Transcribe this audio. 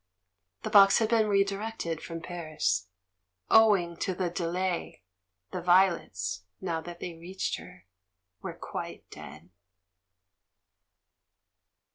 The box had been redirected from Paris. Ow ing to the delay, the violets, now that they reached her, were quite dead.